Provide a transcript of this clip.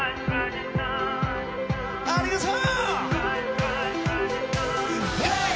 ありがとう！